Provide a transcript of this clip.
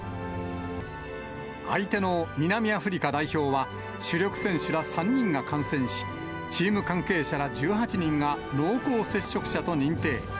相手の南アフリカ代表は、主力選手ら３人が感染し、チーム関係者ら１８人が濃厚接触者と認定。